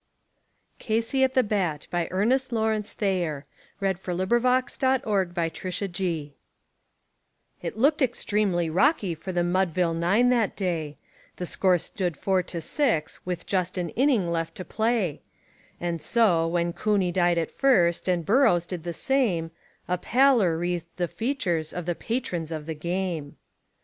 CASEY AT THE BAT BY ERNEST LAWRENCE THAYER It looked extremely rocky for the Mudville nine that day: The score stood four to six with just an inning left to play; And so, when Cooney died at first, and Burrows did the same, A pallor wreathed the features of the patrons of the game.